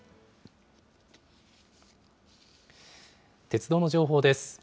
鉄道の情報です。